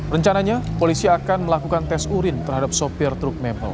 rencananya polisi akan melakukan tes urin terhadap sopir truk maple